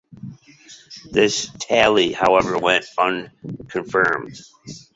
This tally, however, went unconfirmed.